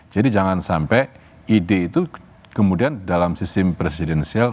jadi jangan sampai ide itu kemudian dalam sistem presidensial